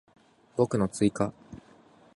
語句の追加